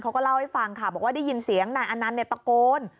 เขาก็เล่าให้ฟังค่ะบอกว่าได้ยินเสียงนายอนันต์ตะโกน